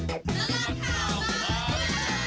นักร้านข่าวมาแล้ว